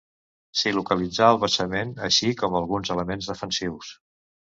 S'hi localitzà el basament, així com alguns elements defensius.